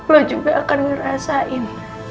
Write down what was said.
lo juga akan ngerasain